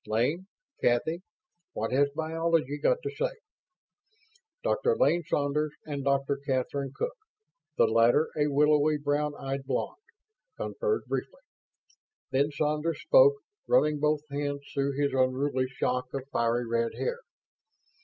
Lane Kathy what has Biology got to say?" Dr. Lane Saunders and Dr. Kathryn Cook the latter a willowy brown eyed blonde conferred briefly. Then Saunders spoke, running both hands through his unruly shock of fiery red hair.